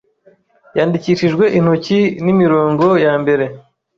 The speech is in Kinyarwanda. yandikishijwe intoki nimirongo ya mbere